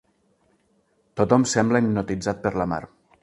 Tothom sembla hipnotitzat per la Mar.